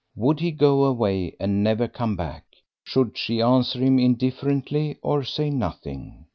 Would he go away and never come back? Should she answer him indifferently or say nothing?